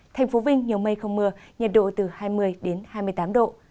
thành phố vinh nhiều mây không mưa nhiệt độ từ hai mươi đến hai mươi tám độ